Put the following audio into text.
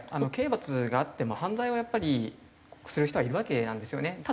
刑罰があっても犯罪はやっぱりする人はいるわけなんですよね。